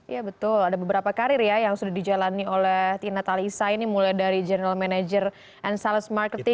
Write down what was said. ya betul ada beberapa karir ya yang sudah dijalani oleh tina talisa ini mulai dari general manager and sales marketing